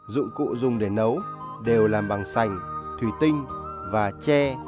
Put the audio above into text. dụng cụ dùng để nấu đều làm bằng sành thủy tinh và tre